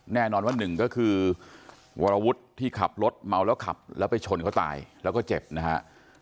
แน่นอนว่าหนึ่งก็คือวรวุฒิที่ขับรถเมาแล้วขับแล้วไปชนเขาตายแล้วก็เจ็บนะฮะ